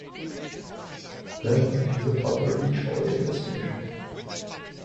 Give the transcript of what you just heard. Benllech is a popular beach holiday destination.